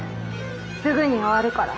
すぐに終わるから。